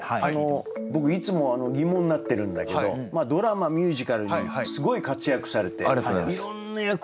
僕いつも疑問になってるんだけどドラマミュージカルにすごい活躍されていろんな役を演じてるでしょ。